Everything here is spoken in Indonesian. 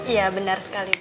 iya bener sekali